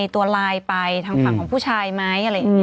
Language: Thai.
ตัวลายไปทางฝั่งของผู้ชายไหม